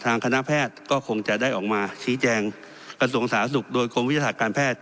คณะแพทย์ก็คงจะได้ออกมาชี้แจงกระทรวงสาธารณสุขโดยกรมวิทยาศาสตร์การแพทย์